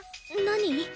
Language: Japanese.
何？